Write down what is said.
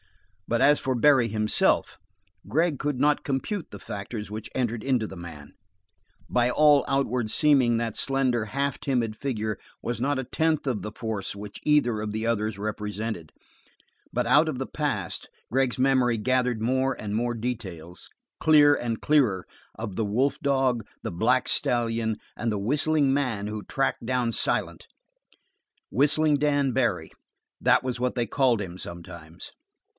But as for Barry himself, Gregg could not compute the factors which entered into the man. By all outward seeming that slender, half timid figure was not a tithe of the force which either of the others represented, but out of the past Gregg's memory gathered more and more details, clear and clearer, of the wolf dog, the black stallion, and the whistling man who tracked down Silent "Whistling Dan" Barry; that was what they called him, sometimes.